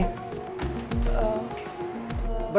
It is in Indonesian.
bapak siapa ya